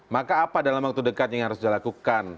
maka apa dalam waktu dekat yang harus dilakukan